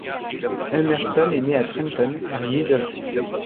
Emerson est né à Trenton dans le New Jersey.